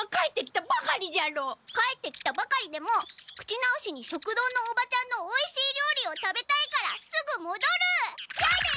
帰ってきたばかりでも口直しに食堂のおばちゃんのおいしいりょうりを食べたいからすぐもどる！じゃあね！